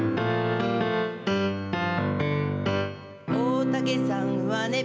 「大竹さんはね」